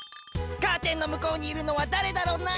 カーテンのむこうにいるのは誰だろな？